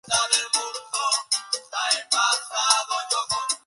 Allí comenzó sus estudios en una institución vinculada a la Orden Franciscana.